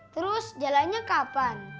terus jalannya kapan